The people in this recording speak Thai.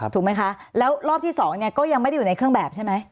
ถูกไหมคะแล้วรอบที่สองเนี่ยก็ยังไม่ได้อยู่ในเครื่องแบบใช่ไหม